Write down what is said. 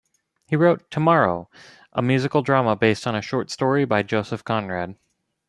He wrote "Tomorrow", a musical drama based on a short story by Joseph Conrad.